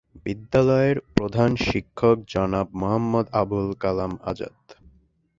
বিদ্যালয়ের প্রধান শিক্ষক জনাব মোহাম্মদ আবুল কালাম আজাদ।